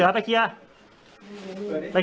สภาษณ์นี้